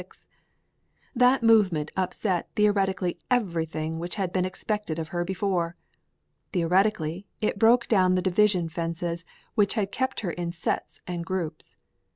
That movement upset theoretically everything which had been expected of her before. Theoretically, it broke down the division fences which had kept her in sets and groups.